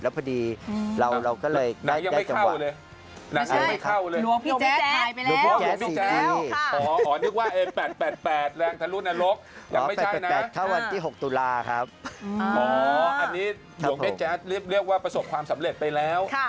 แล้วพอดีเราก็เลยได้จังหวะโอเคไม่ใช่หลวงพี่แจ๊กถ่ายไปแล้ว